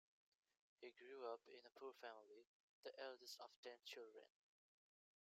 He grew up in a poor family, the eldest of ten children.